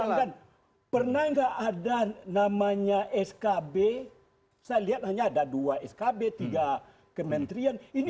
saya coba bayangkan pernah nggak ada namanya skb saya lihat hanya ada dua skb tiga kementerian ini sebelas